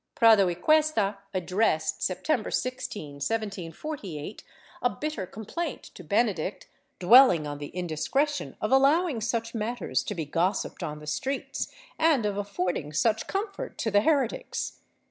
Prado y Cuesta, addressed, September 16, 1748, a bitter complaint to Benedict, dwelling on the indiscretion of allowing such matters to be gossiped on the streets, and of affording such comfort to the heretics.